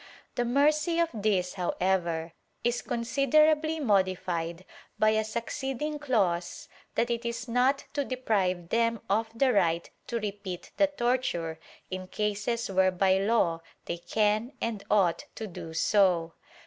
The mercy of this, however, is considerably modi fied by a succeeding clause that it is not to deprive them of the right to repeat the torture in cases where by law they can and ought to do so.